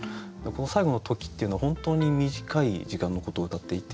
この最後の「時」っていうのは本当に短い時間のことをうたっていて。